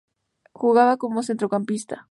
Jugaba como centrocampista.